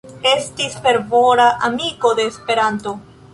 Estis fervora amiko de Esperanto.